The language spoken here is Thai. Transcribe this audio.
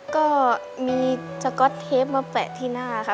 ก็มีสก๊อตเทปมาแปะที่หน้าค่ะ